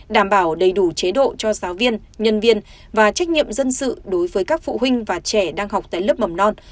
đảm bảo đầy đủ chế độ cho giáo viên nhân viên và trách nhiệm dân sự đối với các phụ huynh và trẻ đang học tại lớp mầm non